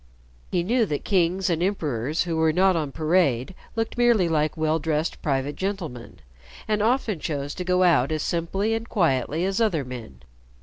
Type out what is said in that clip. He knew that kings and emperors who were not on parade looked merely like well dressed private gentlemen, and often chose to go out as simply and quietly as other men.